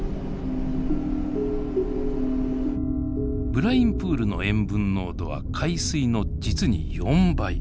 ブラインプールの塩分濃度は海水の実に４倍。